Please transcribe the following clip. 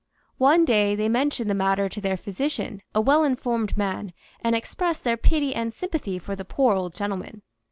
One day they mentioned the matter to their physician, a well informed man, and expressed their pity and sympathy for the poor old gentleman.